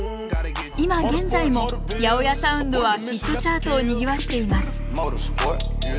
今現在も８０８サウンドはヒットチャートをにぎわしています